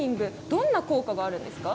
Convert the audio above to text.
どんな効果があるんですか。